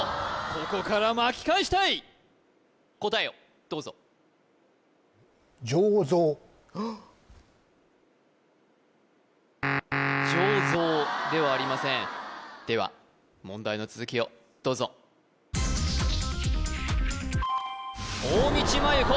ここから巻き返したい答えをどうぞあっ醸造ではありませんでは問題の続きをどうぞ大道麻優子